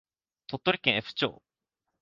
鳥取県江府町